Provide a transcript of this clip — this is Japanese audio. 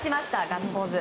ガッツポーズ。